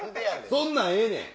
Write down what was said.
そんなんええねん。